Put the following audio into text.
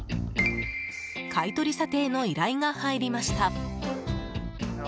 買い取り査定の依頼が入りました。